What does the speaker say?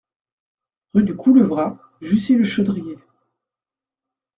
Rue du Coulevra, Jussy-le-Chaudrier